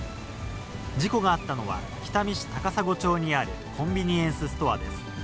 事故があったのは、北見市高砂町にあるコンビニエンスストアです。